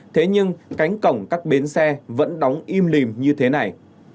thế nhưng cánh cổng các bến xe vẫn đóng im lìm như thế này